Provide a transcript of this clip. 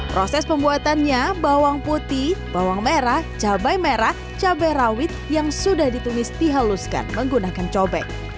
proses pembuatannya bawang putih bawang merah cabai merah cabai rawit yang sudah ditumis dihaluskan menggunakan cobek